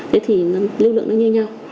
thế thì lưu lượng nó như nhau